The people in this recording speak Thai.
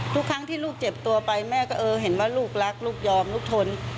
ทุกครั้งที่ลูกเจ็บตัวไปแม่ก็เออเห็นว่าลูกรักลูกยอมลูกทน